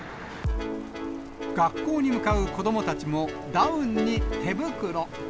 学校に向かう子どもたちも、ダウンに手袋。